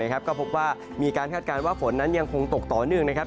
ก็พบว่ามีการคาดการณ์ว่าฝนนั้นยังคงตกต่อเนื่องนะครับ